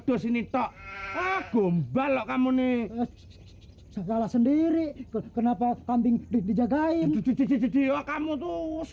usistol ah gembala kamu nih salah sendiri itu kenapa apaging dijagain sensor tutorial kamu tuh lo